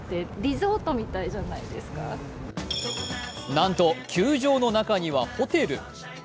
なんと球場の中にはホテル。